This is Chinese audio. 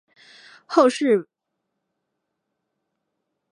后世为之机抒胜复以便其用。